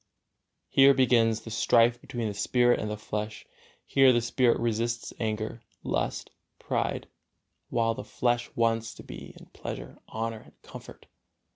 Here begins the strife between the spirit and the flesh; here the spirit resists anger, lust, pride, while the flesh wants to be in pleasure, honor and comfort.